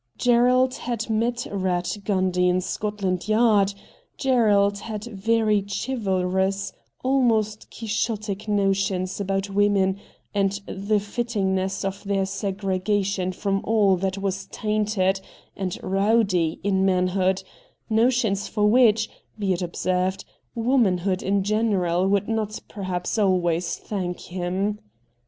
Gerald had met Eatt Gundy in Scotland Yard ; Gerald had very chivalrous, almost Quixotic notions about women and the fittingness of their segregation from all that was tainted and rowdy in man hood — notions for which, be it observed, womanhood in general would not perhaps always thank him.